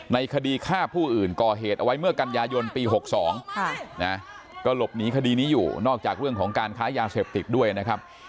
คดีฆ่าผู้อื่นก่อเหตุเอาไว้เมื่อกันยายนปี๖๒ก็หลบหนีคดีนี้อยู่นอกจากเรื่องของการค้ายาเสพติดด้วยนะครับ